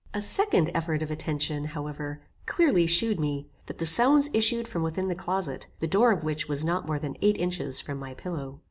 A second effort of attention, however, clearly shewed me, that the sounds issued from within the closet, the door of which was not more than eight inches from my pillow.